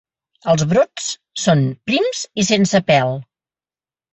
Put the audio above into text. Els brots són prims i sense pèl.